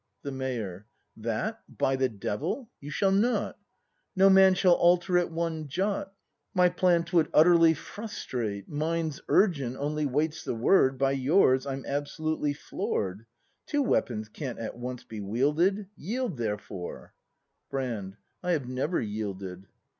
The Mayor. That, by the devil! you shall not! No man shall alter it one jot! My plan 'twould utterly frustrate. Mine's urgent, only waits the word. By yours I'm absolutely floor'd; Two weapons can't at once be wielded, Yield therefore —! Brand. I have never yielded.